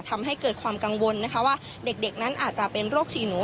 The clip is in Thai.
ทำให้เกิดความกังวลนะคะว่าเด็กนั้นอาจจะเป็นโรคชีหนู